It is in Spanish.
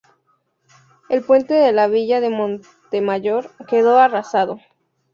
El puente de la Villa de Montemayor quedó arrasado.